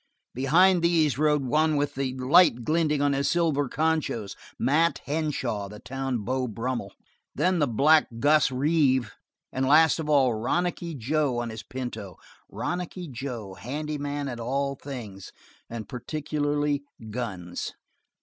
Behind these rode one with the light glinting on his silver conchos Mat Henshaw, the town Beau Brummel then the black Guss Reeve, and last of all "Ronicky" Joe on his pinto; "Ronicky" Joe, handy man at all things, and particularly guns.